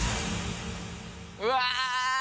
うわ。